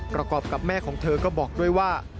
ประกอบกับแม่ของเธอก็บอกด้วยว่า